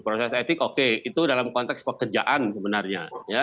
proses etik oke itu dalam konteks pekerjaan sebenarnya